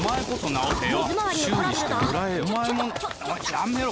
やめろ！